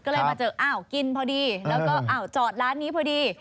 ก็เลยมาเจอกินพอดีแล้วก็จอดร้านนี้พอดี